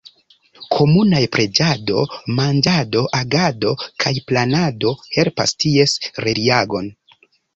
Komunaj preĝado, manĝado, agado kaj planado helpas ties realigon.